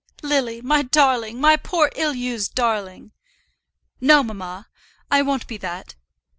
"Lily, my darling; my poor, ill used darling." "No, mamma, I won't be that."